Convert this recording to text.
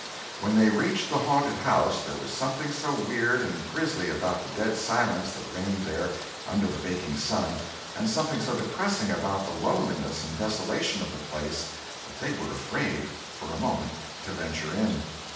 When they reached the haunted house there was something so weird and grisly about the dead silence that reigned there under the baking sun, and something so depressing about the loneliness and desolation of the place, that they were afraid, for a moment, to venture in.